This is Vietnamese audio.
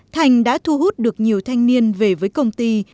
thành đã thu hút được nhiều thanh niên về với công ty